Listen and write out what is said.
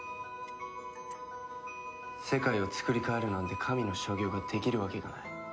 世界をつくり変えるなんて神の所業ができるわけがない。